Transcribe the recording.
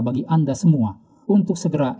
bagi anda semua untuk segera